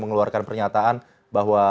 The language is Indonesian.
mengeluarkan pernyataan bahwa